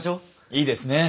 いいですね。